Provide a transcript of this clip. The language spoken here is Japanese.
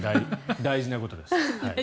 大事なことです。